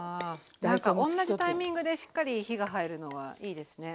何か同じタイミングでしっかり火が入るのはいいですね。